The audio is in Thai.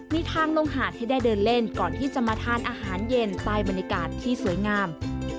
มีทางลงหาดให้ได้เดินเล่นก่อนที่จะมาทานอาหารเย็นใต้บรรยากาศที่สวยงาม